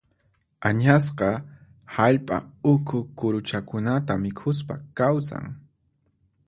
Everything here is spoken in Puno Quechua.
Añasqa hallp'a ukhu kuruchakunata mikhuspa kawsan.